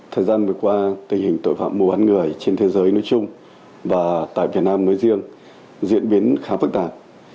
thời gian vừa qua tình hình tội phạm mùa bán người trên thế giới nói chung và tại việt nam nói riêng diễn biến khá phức tạp